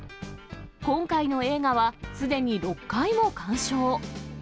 今回の映画は、すでに６回も鑑賞。